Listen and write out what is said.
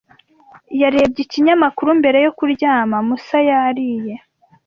Yarebye ikinyamakuru mbere yo kuryama. Musa yariye